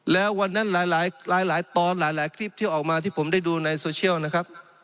แล้ววันนั้นหลายตอนหลายคลิปที่ออกมาที่ผมได้ดูในโซเชียลนะครับ